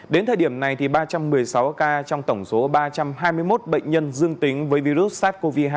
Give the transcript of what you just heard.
đến thời điểm này ba trăm một mươi sáu ca trong tổng số ba trăm hai mươi một bệnh nhân dương tính với virus sars cov hai